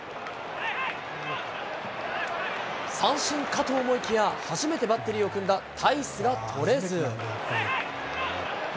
三振かと思いきや、初めてバッテリーを組んだタイスが捕れず。